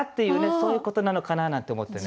そういうことなのかななんて思ってね。